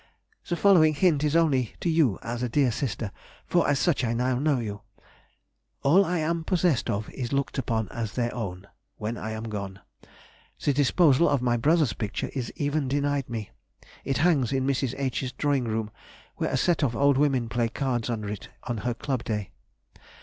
The following hint is only to you as a dear sister, for as such I now know you:— All I am possessed of is looked upon as their own, when I am gone; the disposal of my brother's picture is even denied me—it hangs in Mrs. H.'s drawing room, where a set of old women play cards under it on her club day....